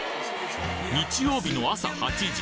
日曜日の朝８時。